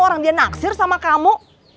orang dia naksir sama kamu